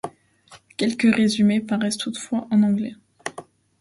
Quelques résumés paraissent toutefois en anglais.